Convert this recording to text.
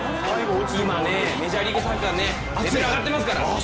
メジャーリーグサッカーレベル上がってますから。